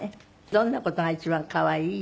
どんな事が一番可愛い？